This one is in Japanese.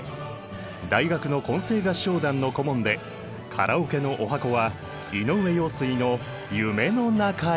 大学の混声合唱団の顧問でカラオケの十八番は井上陽水の「夢の中へ」！